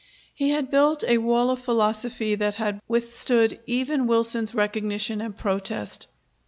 He had built a wall of philosophy that had withstood even Wilson's recognition and protest.